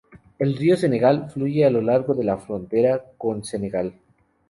El río Senegal fluye a lo largo de la frontera con Senegal.